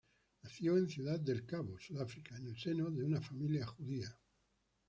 Nació en Ciudad de Cabo, Sudáfrica, en el seno de una familia judía.